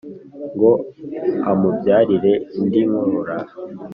ngo amubyarire indi nkura,